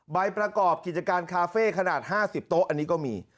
ใบประกอบกิจการคาเฟ่ขนาด๕๐โต๊ะอันนี้ก็มี